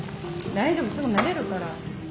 大丈夫すぐ慣れるから。